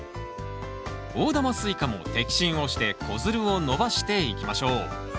大玉スイカも摘心をして子づるを伸ばしていきましょう。